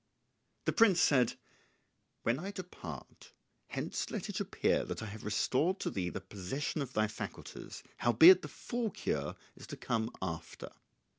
The prince said, "When I depart hence let it appear that I have restored to thee the possession of thy faculties; howbeit the full cure is to come after.